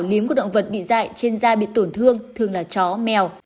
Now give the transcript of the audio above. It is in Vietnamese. ním của động vật bị dạy trên da bị tổn thương thường là chó mèo